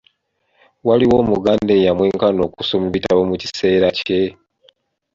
Waliwo Omuganda eyamwenkana okusoma ebitabo mu kiseera kye?